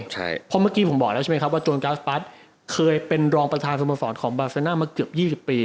ใช่เพราะเมื่อกี้ผมบอกแล้วใช่ไหมครับว่าโจรกาสบาสเคยเป็นรองประธานสมสรรค์ของบราษณะมาเกือบยี่สิบปี